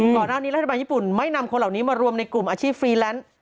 ก่อนหน้านี้รัฐบาลญี่ปุ่นไม่นำคนเหล่านี้มารวมในกลุ่มอาชีพฟรีแลนซ์